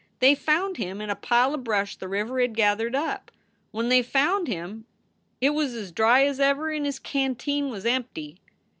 They found him in a pile of brush the river had gethered up. When they found him it was as dry as ever and his canteen was empty.